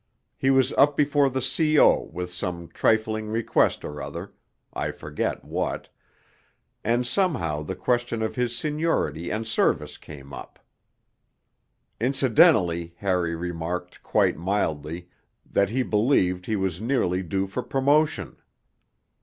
He was up before the C.O. with some trifling request or other (I forget what), and somehow the question of his seniority and service came up. Incidentally, Harry remarked, quite mildly, that he believed he was nearly due for promotion.